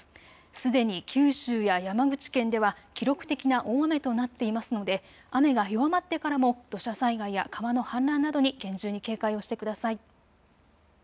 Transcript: すでに九州や山口県では記録的な大雨となっていますので雨が弱まってからも土砂災害や川の氾濫などに厳重に警戒をしてください。